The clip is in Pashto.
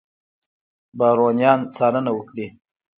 بارونیان څارنه وکړي.